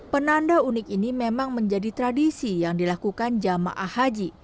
penanda unik ini memang menjadi tradisi yang dilakukan jamaah haji